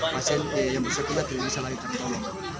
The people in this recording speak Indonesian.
pasien yang bersekolah tidak bisa lagi tertolong